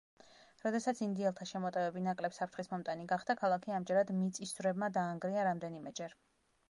როდესაც ინდიელთა შემოტევები ნაკლებ საფრთხის მომტანი გახდა, ქალაქი ამჯერად მიწისძვრებმა დაანგრია რამდენიმეჯერ.